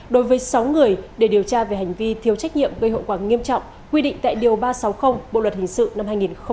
đối với sáu người để điều tra về hành vi thiếu trách nhiệm gây hậu quả nghiêm trọng quy định tại điều ba trăm sáu mươi bộ luật hình sự năm hai nghìn một mươi năm